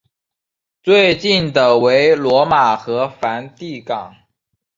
最近的为罗马和梵蒂冈。